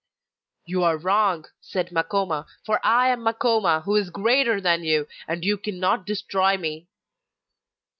'You are wrong,' said Makoma; 'for I am Makoma, who is "greater" than you and you cannot destroy me!